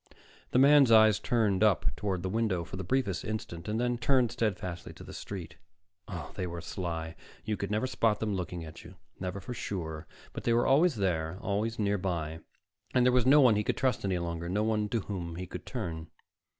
The man's eyes turned up toward the window for the briefest instant, then returned steadfastly to the street. Oh, they were sly! You could never spot them looking at you, never for sure, but they were always there, always nearby. And there was no one he could trust any longer, no one to whom he could turn.